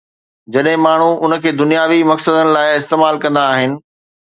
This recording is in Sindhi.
جڏهن ماڻهو ان کي دنياوي مقصدن لاءِ استعمال ڪندا آهن.